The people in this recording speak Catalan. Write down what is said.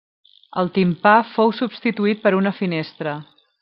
El timpà fou substituït per una finestra.